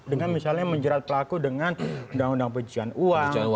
dengan misalnya menjerat pelaku dengan undang undang pencucian uang